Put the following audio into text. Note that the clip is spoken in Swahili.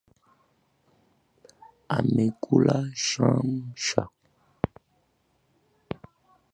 Amekula chamcha